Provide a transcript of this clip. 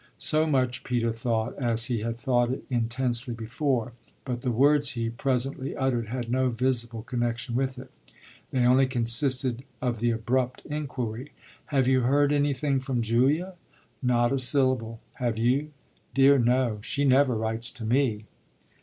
So much Peter thought, as he had thought it intensely before; but the words he presently uttered had no visible connexion with it. They only consisted of the abrupt inquiry; "Have you heard anything from Julia?" "Not a syllable. Have you?" "Dear no; she never writes to me."